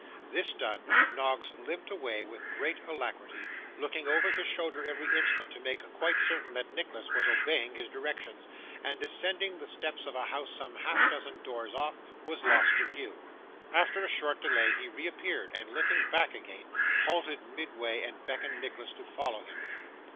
This done, Noggs limped away with great alacrity; looking over his shoulder every instant, to make quite certain that Nicholas was obeying his directions; and, ascending the steps of a house some half dozen doors off, was lost to view. After a short delay, he reappeared, and limping back again, halted midway, and beckoned Nicholas to follow him.